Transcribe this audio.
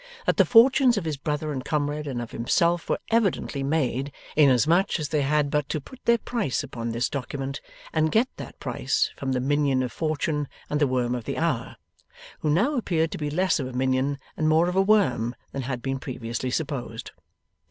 That, the fortunes of his brother and comrade, and of himself were evidently made, inasmuch as they had but to put their price upon this document, and get that price from the minion of fortune and the worm of the hour: who now appeared to be less of a minion and more of a worm than had been previously supposed.